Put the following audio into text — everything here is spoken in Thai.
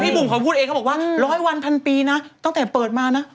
บุ๋มเขาพูดเองเขาบอกว่าร้อยวันพันปีนะตั้งแต่เปิดมานะ